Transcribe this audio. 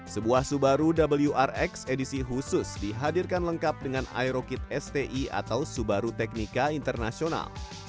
sebuah subaru wrx edisi khusus dihadirkan lengkap dengan aero kit sti atau subaru teknika internasional